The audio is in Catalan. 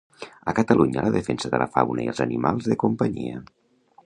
A Catalunya la defensa de la fauna i els animals de companyia.